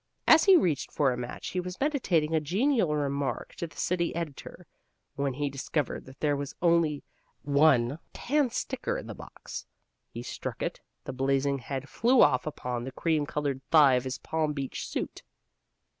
As he reached for a match he was meditating a genial remark to the city editor, when he discovered that there was only one tandsticker in the box. He struck it, and the blazing head flew off upon the cream colored thigh of his Palm Beach suit.